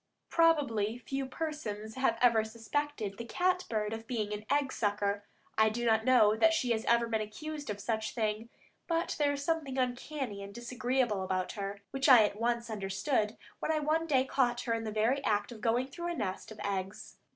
Probably few persons have ever suspected the cat bird of being an egg sucker; I do not know that she has ever been accused of such a thing, but there is something uncanny and disagreeable about her, which I at once understood, when I one day caught her in the very act of going through a nest of eggs.